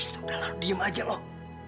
shhh udah lah diam aja loh